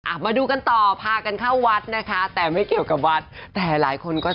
มาดูกันต่อพากันเข้าวัดนะคะแต่ไม่เกี่ยวกับวัดแต่หลายคนก็